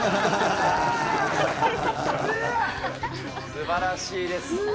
すばらしいです。